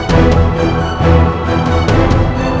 berdiri di dalam kekuatan